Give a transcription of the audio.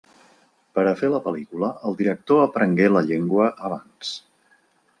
Per a fer la pel·lícula el director aprengué la llengua abans.